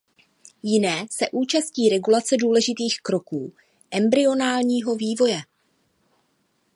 Jiné se účastní regulace důležitých kroků embryonálního vývoje.